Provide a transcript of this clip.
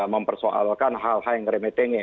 mempersoalkan hal hal yang remetengge